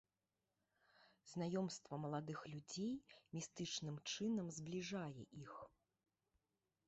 Знаёмства маладых людзей містычным чынам збліжае іх.